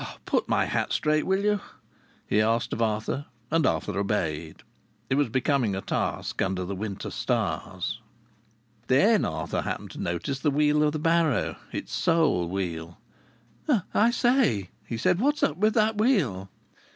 "Put my hat straight, will you?" he asked of Arthur, and Arthur obeyed. It was becoming a task under the winter stars. Then Arthur happened to notice the wheel of the barrow its sole wheel. "I say," he said, "what's up with that wheel?"